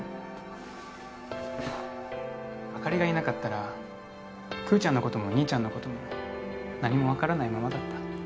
朱莉がいなかったらクーちゃんの事も兄ちゃんの事も何もわからないままだった。